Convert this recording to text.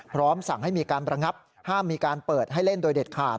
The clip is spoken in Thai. พร้อมสั่งให้มีการประงับห้ามมีการเปิดให้เล่นโดยเด็ดขาด